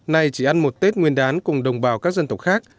nay chỉ ăn một tết nguyên đán cùng đồng bào các dân tộc khác